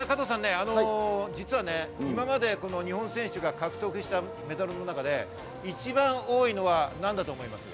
加藤さんね、実は、今まで日本選手が獲得したメダルの中で、一番多いのは何だと思いますか？